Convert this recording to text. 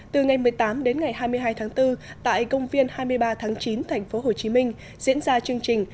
từ ngày một mươi tám đến ngày hai mươi hai tháng bốn tại công viên hai mươi ba tháng chín tp hcm diễn ra chương trình